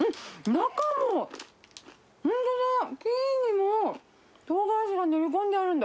中も本当だ、生地にもトウガラシが練り込んであるんだ。